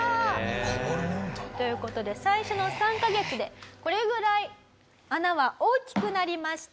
変わるもんだな。という事で最初の３カ月でこれぐらい穴は大きくなりました。